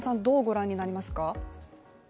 どう御覧になりますか？